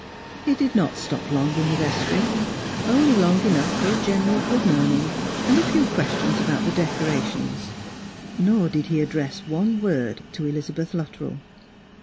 He did not stop long in the vestry, only long enough for a general good morning, and a few questions about the decora tions ; nor did he address one word to Elizabeth Luttrell.